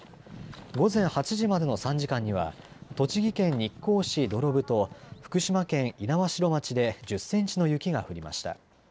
午前８時までの３時間には栃木県日光市土呂部と福島県猪苗代町で１０センチの雪が降りました。